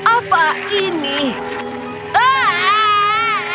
aku harus keluar dari sini sezagini